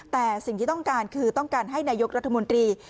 แต่สิ่งที่ต้องการคือต้องการให้นายกรัฐมนตรี